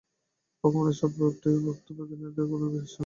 ভগবানের সৎ-ভাবটি নিয়ে ভক্ত ও জ্ঞানীর মধ্যে কোন বিবাদ-বিসংবাদ নেই।